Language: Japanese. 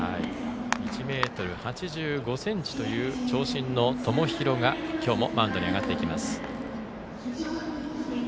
１ｍ８５ｃｍという長身の友廣が今日もマウンドに上がります。